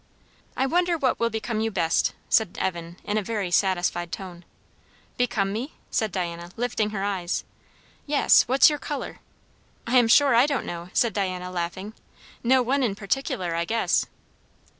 "I wonder what will become you best?" said Evan in a very satisfied tone. "Become me?" said Diana lifting her eyes. "Yes. What's your colour?" "I am sure I don't know," said Diana, laughing. "No one in particular, I guess."